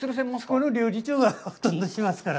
これは料理長がほとんどしますから。